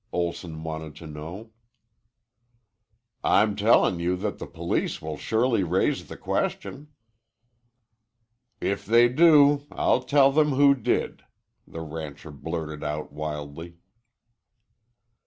Olson wanted to know. "I'm tellin' you that the police will surely raise the question." "If they do I'll tell 'em who did," the rancher blurted out wildly.